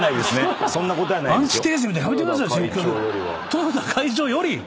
豊田会長よりは。